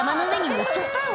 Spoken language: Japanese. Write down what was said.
乗っちゃったよ